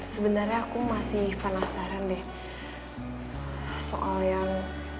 sebenarnya aku masih penasaran deh soal yang